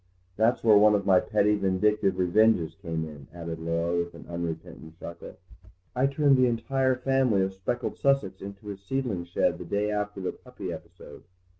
That's where one of my petty vindictive revenges came in," added Laura with an unrepentant chuckle; "I turned the entire family of speckled Sussex into his seedling shed the day after the puppy episode."